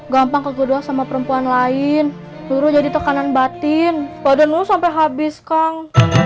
gampang kegedean sama perempuan lain turun jadi tekanan batin badan lu sampai habis kang